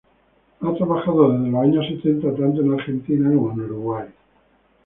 Ha trabajado desde los años setenta tanto en Argentina como en Uruguay.